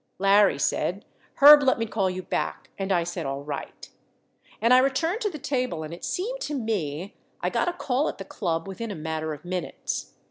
Larry said, Herb, let me call you back and I said, alright. And I re turned to the table and it seemed to me I got a call at the club within a matter of minutes.